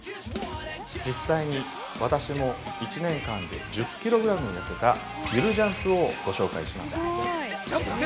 実際に、私も１年間で１０キログラム痩せたゆるジャンプをご紹介します。